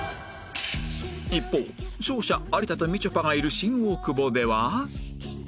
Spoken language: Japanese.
一方勝者有田とみちょぱがいる新大久保では